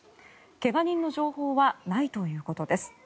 怪我人の情報はないということです。